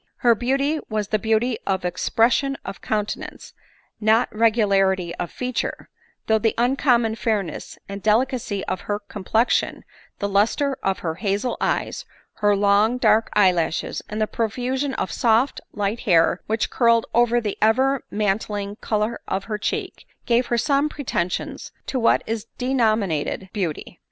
Her beauty was t! e beauty of expression of countenance, not regularity of feature, though the uncommon fairness and delicacy of her complexion, the lustre of her hazel eyes, her long dark eyelashes, and the profusion of soft light hair which curled over the ever mantling color of her cheek, gave her some pretensions to what is denominated beauty.